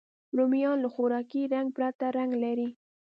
رومیان له خوراکي رنګ پرته رنګ لري